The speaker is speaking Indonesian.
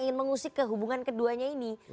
ingin mengusik ke hubungan keduanya ini